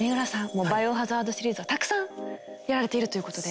もう「バイオハザード」シリーズはたくさんやられているということで。